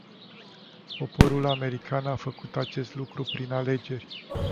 Poporul american a făcut acest lucru prin alegeri.